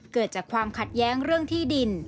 เกิดจากความขัดแย้งเรื่องที่ดิน